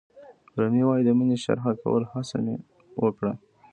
رومي وایي د مینې شرحه کولو هڅه مې وکړه.